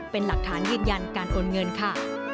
เป็นหลักฐานยืนยันการโอนเงินค่ะ